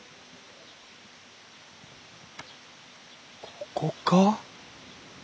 ここか？